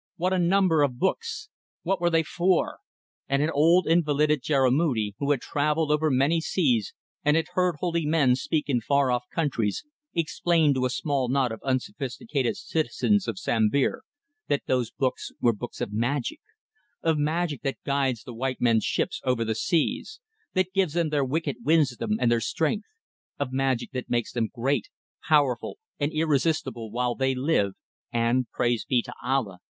What a number of books. What were they for? ... And an old invalided jurumudi, who had travelled over many seas and had heard holy men speak in far off countries, explained to a small knot of unsophisticated citizens of Sambir that those books were books of magic of magic that guides the white men's ships over the seas, that gives them their wicked wisdom and their strength; of magic that makes them great, powerful, and irresistible while they live, and praise be to Allah!